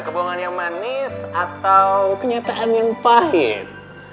kebohongan yang manis atau kenyataan yang pahit